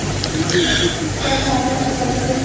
دا حالت ته قبضیت وایې.